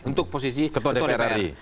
untuk posisi ketua dpr